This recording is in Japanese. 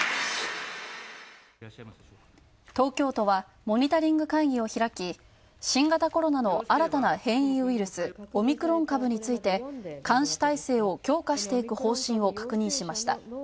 東京とはモニタリング会議を開き新型コロナの新たな変異ウイルスオミクロン株について、監視体制を強化していく方針を確認しました。